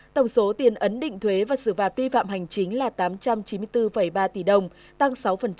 tổng số tiền ấn định thuế và xử phạt vi phạm hành chính là tám trăm chín mươi bốn ba tỷ đồng tăng sáu